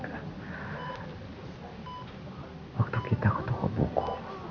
hai kamu inget waktu kita ketuk buku